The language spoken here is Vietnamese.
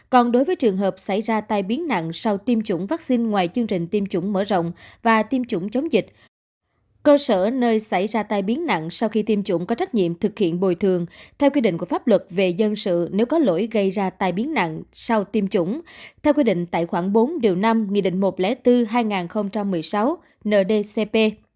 còn đối với trường hợp xảy ra tai biến nặng sau tiêm chủng vaccine ngoài chương trình tiêm chủng mở rộng và tiêm chủng chống dịch cơ sở nơi xảy ra tai biến nặng sau khi tiêm chủng có trách nhiệm thực hiện bồi thường theo quy định của pháp luật về dân sự nếu có lỗi gây ra tai biến nặng sau tiêm chủng theo quy định tài khoản bốn năm một trăm linh bốn hai nghìn một mươi sáu ndcp